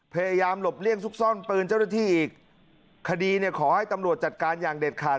พยายามหลบเลี่ยงซุกซ่อนปืนเจ้าหน้าที่อีกคดีเนี่ยขอให้ตำรวจจัดการอย่างเด็ดขาด